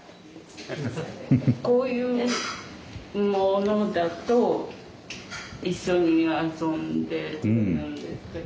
こういうものだと一緒に遊んでくれるんですけど。